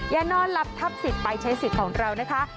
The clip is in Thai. อย่านอนหลับทับสิทธิ์ไปใช้สิทธิ์ของเรานะคะ